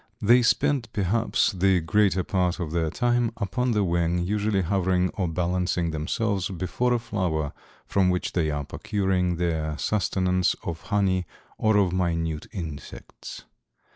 They spend perhaps the greater part of their time upon the wing, usually hovering or balancing themselves before a flower from which they are procuring their sustenance of honey or of minute insects.